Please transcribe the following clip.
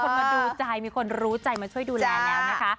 มาดูใจมีคนรู้ใจมาช่วยดูแลแล้วนะคะ